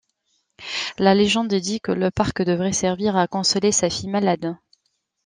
La légende dit que le parc devait servir à consoler sa fille malade.